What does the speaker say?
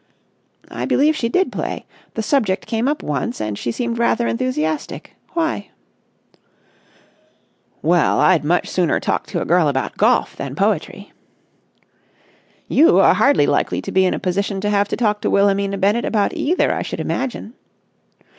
"I believe she did play. The subject came up once and she seemed rather enthusiastic. Why?" "Well, I'd much sooner talk to a girl about golf than poetry." "You are hardly likely to be in a position to have to talk to Wilhelmina Bennett about either, I should imagine."